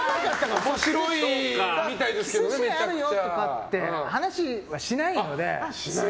キスシーンあるよとかって話はしないので。